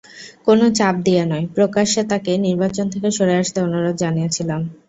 কোনো চাপ দিয়ে নয়, প্রকাশ্যে তাঁকে নির্বাচন থেকে সরে আসতে অনুরোধ জানিয়েছিলাম।